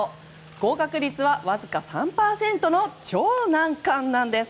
合格率はわずか３％の超難関なんです。